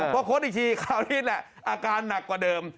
เพราะค้นอีกทีคราวนี้อาการหนักกว่าเดิม